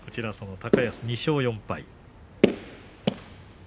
高安は２勝４敗。